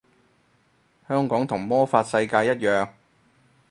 香港同魔法世界一樣